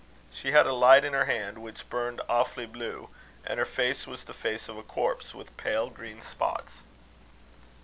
She had a light in her hand which burned awfully blue, and her face was the face of a corpse, with pale green spots."